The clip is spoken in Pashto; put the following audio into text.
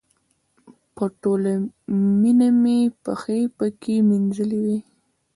په ټوله مینه مې پښې پکې مینځلې وې.